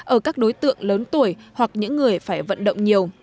ở các đối tượng lớn tuổi hoặc những người phải vận động nhiều